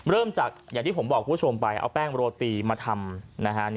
เริ่มจากอย่างที่ผมบอกคุณผู้ชมไปเอาแป้งโรตีมาทำนะฮะ